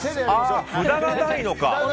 札がないのか！